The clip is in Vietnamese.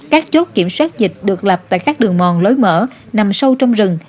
các chốt kiểm soát dịch được lập tại các đường mòn lối mở nằm sâu trong rừng